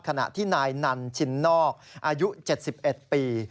ขณะที่นายนันชินนอกอายุ๗๑ปี